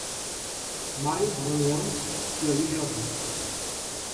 Mário, Manuel. Sueli e Joaquim